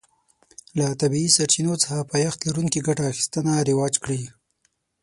له طبیعي سرچینو څخه پایښت لرونکې ګټه اخیستنه رواج کړي.